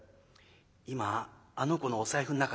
「今あの子のお財布の中見たらさ」。